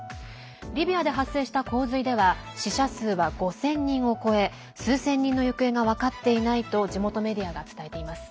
リビアで発生した洪水では死者数は５０００人を超え数千人の行方が分かっていないと地元メディアが伝えています。